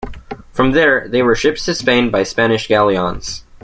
From there, they were shipped to Spain by Spanish galleons.